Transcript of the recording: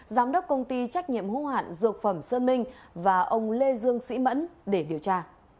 giám đốc công ty trách nhiệm hữu hạn dược phẩm sơn minh và ông lê dương sĩ mẫn để điều tra